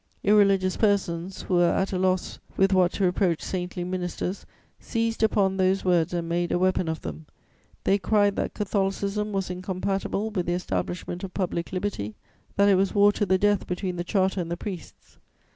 Irreligious persons, who were at a loss with what to reproach saintly ministers, seized upon those words and made a weapon of them; they cried that Catholicism was incompatible with the establishment of public liberty, that it was war to the death between the Charter and the priests.